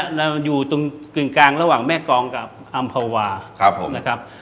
ร้านเนี่ยอยู่ตรงกลิ่นกลางระหว่างแม่กรองกับอัมพวาครับครับผม